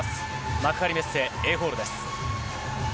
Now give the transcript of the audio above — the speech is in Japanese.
幕張メッセＡホールです。